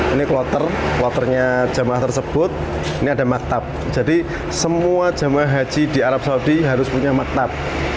ini kloter kloternya jamaah tersebut ini ada maktab jadi semua jemaah haji di arab saudi harus punya maktab